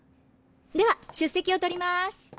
では出席を取ります。